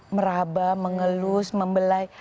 meraba mengelus membelai